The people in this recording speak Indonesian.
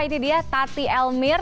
itu dia tati elmir